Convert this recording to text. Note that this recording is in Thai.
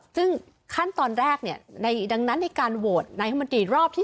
ซึ่งขั้นตอนแรกเนี่ยดังนั้นในการโหวตในธรรมดีรอบที่๒